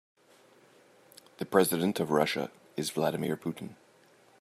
The president of Russia is Vladimir Putin.